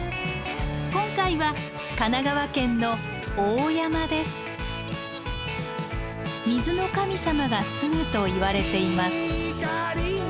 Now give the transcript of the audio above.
今回は神奈川県の水の神様が住むといわれています。